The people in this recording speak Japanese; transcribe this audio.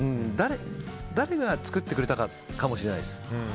誰が作ってくれたかかもしれないです。